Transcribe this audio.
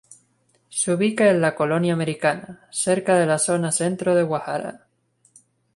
Se ubica en la Colonia Americana, cerca de la zona centro de Guadalajara.